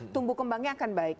tumbuh kembangnya akan baik